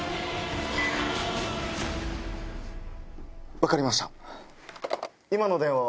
分かりました。